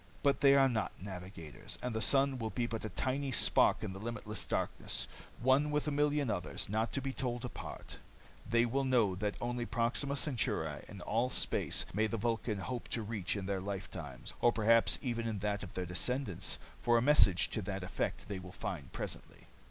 But they are not navigators, and the sun will be but a tiny spark in the limitless darkness, one with a million others, not to be told apart. They will know that only Proxima Centauri in all space may the Vulcan hope to reach in their lifetime, or perhaps even in that of their descendants, for a message to that effect they will find presently.